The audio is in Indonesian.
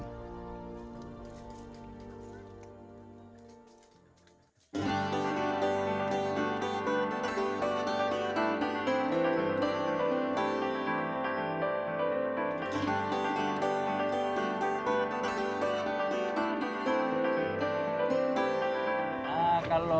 pikiran juga dapat meneliti insolesi hice